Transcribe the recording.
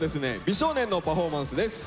美少年のパフォーマンスです。